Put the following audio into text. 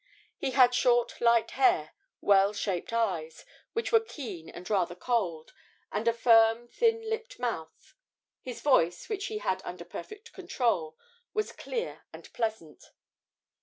He had short light hair, well shaped eyes, which were keen and rather cold, and a firm, thin lipped mouth; his voice, which he had under perfect control, was clear and pleasant.